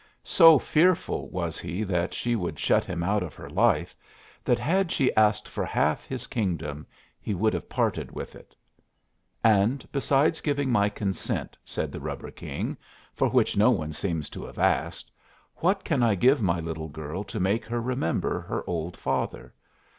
So fearful was he that she would shut him out of her life that had she asked for half his kingdom he would have parted with it. "And besides giving my consent," said the rubber king, "for which no one seems to have asked, what can I give my little girl to make her remember her old father?